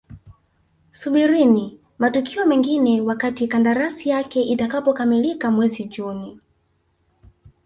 Subirini matukio mengine wakati kandarasi yake itakapokamilika mwezi Juni